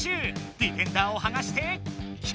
ディフェンダーをはがしてキャッチ！